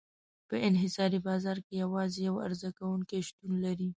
په انحصاري بازار کې یوازې یو عرضه کوونکی شتون لري.